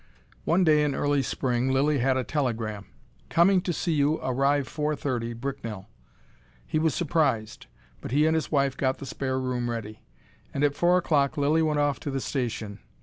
One day in early spring Lilly had a telegram, "Coming to see you arrive 4:30 Bricknell." He was surprised, but he and his wife got the spare room ready. And at four o'clock Lilly went off to the station.